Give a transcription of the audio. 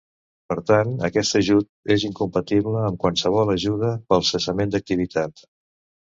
Per tant, aquest ajut és incompatible amb qualsevol ajuda per cessament d'activitat.